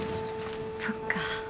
そっか。